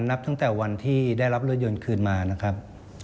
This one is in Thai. นับตั้งแต่วันที่ได้รับรถยนต์คืนมานะครับ